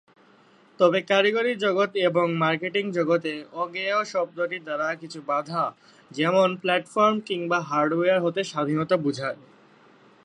তবে কারিগরি জগৎ এবং মার্কেটিং জগতে "অজ্ঞেয়" শব্দটি দ্বারা কিছু বাঁধা; যেমনঃ প্ল্যাটফর্ম কিংবা হার্ডওয়্যার হতে স্বাধীনতা বুঝায়।